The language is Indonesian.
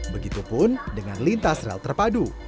begitupun dengan lintas rel terpadu